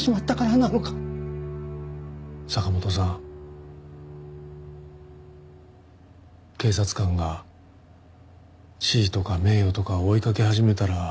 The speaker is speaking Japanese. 坂本さん警察官が地位とか名誉とかを追いかけ始めたら終わりですよ。